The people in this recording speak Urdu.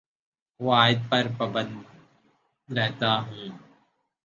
قوائد پر پابند رہتا ہوں